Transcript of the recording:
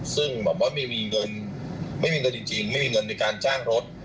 ซึ่งแบบว่าไม่มีเงินไม่มีเงินจริงไม่มีเงินในการจ้างรถ